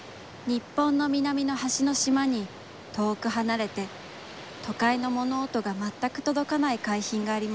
日本の南のはしの島に、遠くはなれて、都会の物音がまったくとどかない海浜がありました。